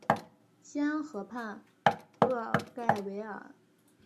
西安河畔厄盖维尔。